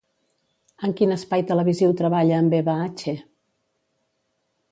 En quin espai televisiu treballa amb Eva Hache?